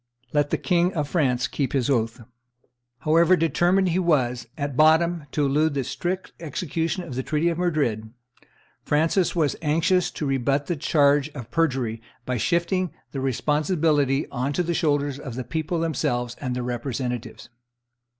Let the King of France keep his oath." [Traite de Madrid, 14th of January, 1526: art. vi.] However determined he was, at bottom, to elude the strict execution of the treaty of Madrid, Francis was anxious to rebut the charge of perjury by shifting the responsibility on to the shoulders of the people themselves and their representatives.